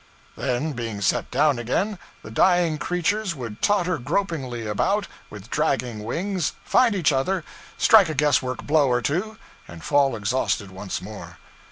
Then, being set down again, the dying creatures would totter gropingly about, with dragging wings, find each other, strike a guesswork blow or two, and fall exhausted once more.